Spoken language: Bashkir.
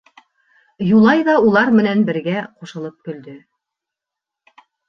Юлай ҙа улар менән бергә ҡушылып көлдө.